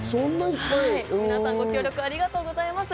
皆さんご協力ありがとうございます。